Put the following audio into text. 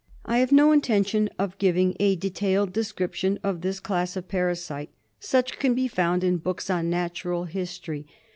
I have no intention of giving a detailed de scription of this class of parasite; such can be found in books on Trypanosomes. Natural History.